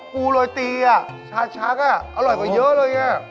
ปูโรยตีชาชักอร่อยกว่าเยอะเลย